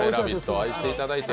愛していただいて。